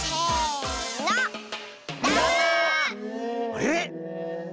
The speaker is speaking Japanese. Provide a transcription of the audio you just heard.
あれ？